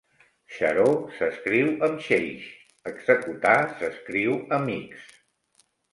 Xaró s'escriu amb xeix; executar s'escriu amb ics.